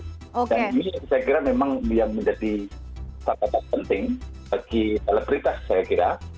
dan ini saya kira memang yang menjadi sangat penting bagi selebritas saya kira